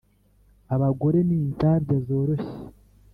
abagore ni inzabya zoroshye